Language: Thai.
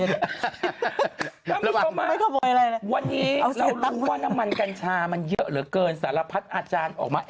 เอาตังค์หลังตู้เย็นไปก่อนนะ